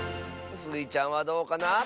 スイちゃんはどうかな？